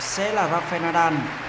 sẽ là rafa nadal